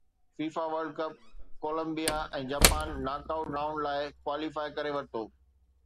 FIFA world cup Colombia ۽ Japan knock out round لاءِ qualify ڪري ورتو آهي